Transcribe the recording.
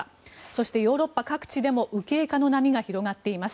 そしてヨーロッパ各地でも右傾化の波が広がっています。